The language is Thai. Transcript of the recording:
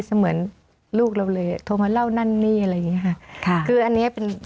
เหมือนลูกเราเลยโทรมาเล่านั่นนี่อะไรอย่างเงี้ค่ะค่ะคืออันเนี้ยเป็น